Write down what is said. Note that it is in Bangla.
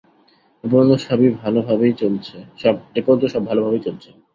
এ পর্যন্ত সব ভালভাবেই চলছে।